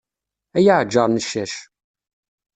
Ay aɛǧar n ccac.